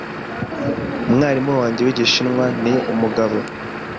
Umwarimu wanjye wigishinwa ni umugabo.